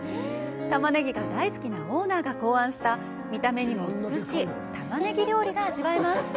タマネギが大好きなオーナーが考案した、見た目にも美しいタマネギ料理が味わえます。